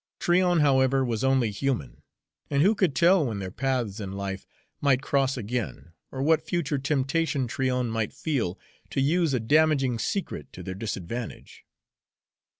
Tryon, however, was only human, and who could tell when their paths in life might cross again, or what future temptation Tryon might feel to use a damaging secret to their disadvantage?